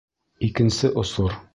Икенсе осор.